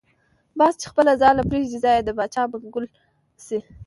باز چی خپله ځاله پریږدی ځای یی دباچا منګول شی .